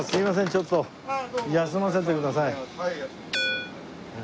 ちょっと休ませてください。